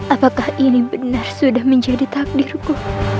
apakah ini benar sudah menjadi takdirku